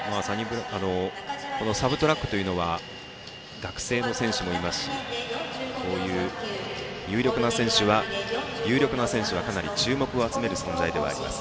サブトラックというのは学生の選手もいますしこういう有力な選手はかなり注目を集める存在ではあります。